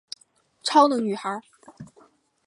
超能女孩。